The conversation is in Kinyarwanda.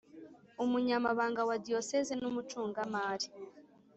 Umunyamabanga wa Diyoseze n umucungamari